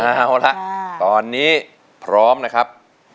เอาละตอนนี้พร้อมนะครับ